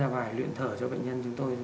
ra ngoài luyện thở cho bệnh nhân chúng tôi